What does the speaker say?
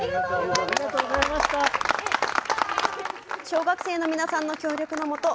小学生の皆さんの協力のもと